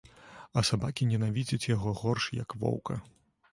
А сабакі ненавідзяць яго горш, як воўка.